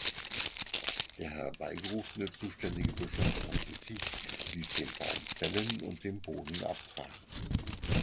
Der herbeigerufene zuständige Bischof von Lüttich ließ den Baum fällen und den Boden abtragen.